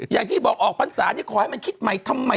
อย่างที่บอกออกพรรษานี่ขอให้มันคิดใหม่ทำไม